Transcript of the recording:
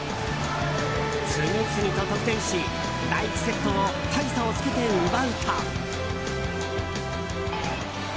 次々と得点し第１セットを大差をつけて奪うと。